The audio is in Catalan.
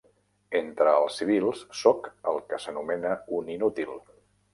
Entre els civils sóc el que s'anomena un inútil.